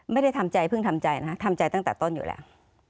ไม่ได้ทำใจเพิ่งทำใจนะฮะทำใจตั้งแต่ต้นอยู่แล้ว